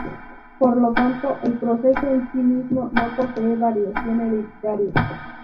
Por lo tanto, el proceso en sí mismo, no posee variación hereditaria.